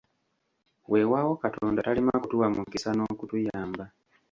Weewaawo Katonda talema kutuwa mukisa n'okutuyamba.